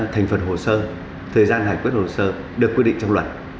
thành phần hồ sơ thời gian hải quyết hồ sơ được quy định trong luật